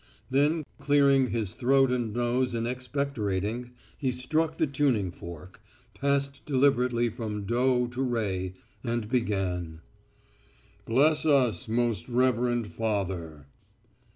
Then, clearing his throat and nose and expectorating, he struck the tuning fork, passed deliberately from doh to re, and began: "Bless us, most reverend Father."